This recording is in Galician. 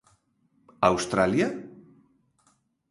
Australia?